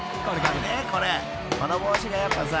［この帽子がやっぱさ］